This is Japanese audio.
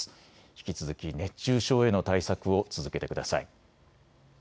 引き続き熱中症への対策を続けてください。